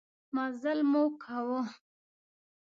مزلمو کاوه.